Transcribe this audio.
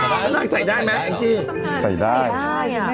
ไม่ที่สั่งไปแล้วมันไม่อย่างเงี้ยไหนให้ถึงหน่อยซิ